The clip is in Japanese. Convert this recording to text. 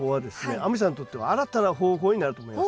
亜美さんにとっては新たな方法になると思います。